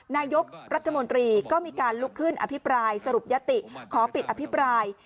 นายกรัฐมนตรีก็มีการลุกขึ้นอภิปรายสรุปยติขอปิดอภิปราย